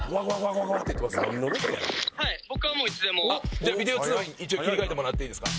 じゃあビデオ通話に一応切り替えてもらっていいですか？